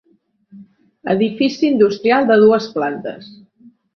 Edifici industrial de dues plantes.